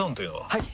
はい！